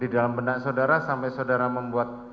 di dalam benak saudara sampai saudara membuat